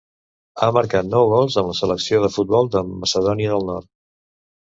Ha marcat nou gols amb la selecció de futbol de Macedònia del Nord.